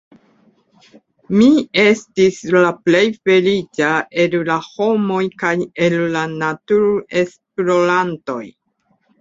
Mi estis la plej feliĉa el la homoj kaj el la naturesplorantoj!